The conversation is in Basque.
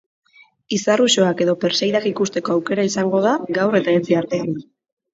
Izar usoak edo perseidak ikusteko aukera izango da gaur eta etzi artean.